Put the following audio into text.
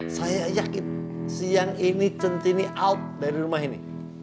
saya yakin siang ini centini out dari rumah ini